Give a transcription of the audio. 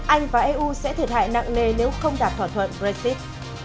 anh và eu sẽ thiệt hại nặng nề nếu không đạt thỏa thuận brexit